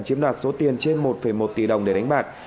chiếm đoạt số tiền trên một một tỷ đồng để đánh bạc